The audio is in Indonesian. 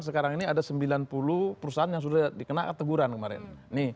sekarang ini ada sembilan puluh perusahaan yang sudah dikenakan teguran kemarin